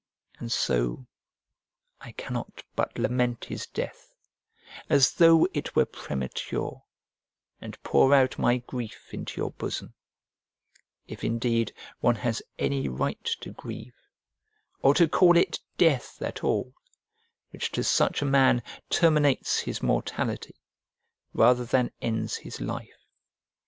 And so I cannot but lament his death, as though it were premature, and pour out my grief into your bosom; if indeed one has any right to grieve, or to call it death at all, which to such a man terminates his mortality, rather than ends his life.